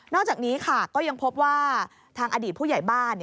อกจากนี้ค่ะก็ยังพบว่าทางอดีตผู้ใหญ่บ้าน